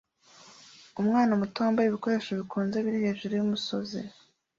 Umwana muto wambaye ibikoresho bikonje biri hejuru yumusozi